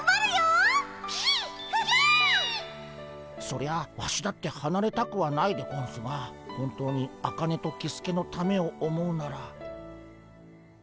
そりゃワシだってはなれたくはないでゴンスが本当にアカネとキスケのためを思うなら。